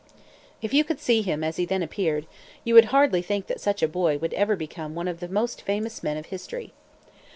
If you could see him as he then appeared, you would hardly think that such a boy would ever become one of the most famous men of history.